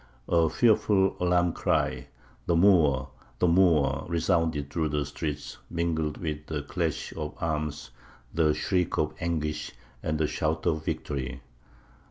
A fearful alarm cry, 'The Moor!' 'The Moor!' resounded through the streets, mingled with the clash of arms, the shriek of anguish, and the shout of victory.